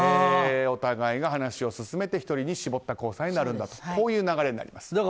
お互いが話を進めて１人に絞った交際になるという流れになります。